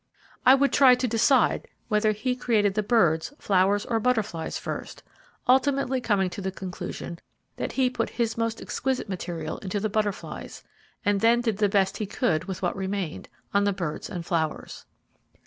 I would try to decide whether He created the birds, flowers, or butterflies first; ultimately coming to the conclusion that He put His most exquisite material into the butterflies, and then did the best He could with what remained, on the birds and flowers.